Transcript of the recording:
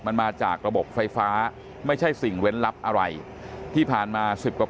มันมาจากระบบไฟฟ้าไม่ใช่สิ่งเว้นลับอะไรที่ผ่านมาสิบกว่า